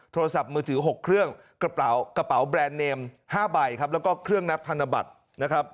โทรศัพท์มือถือ๖เครื่องกระเป๋ากระเป๋าแบรนด์เนม๕ใบครับแล้วก็เครื่องนับธนบัตรนะครับ